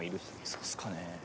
そうっすかね。